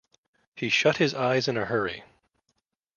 He shut his eyes in a hurry.